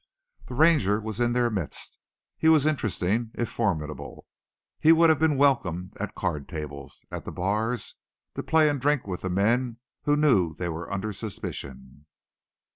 The ranger was in their midst. He was interesting, if formidable. He would have been welcomed at card tables, at the bars, to play and drink with the men who knew they were under suspicion.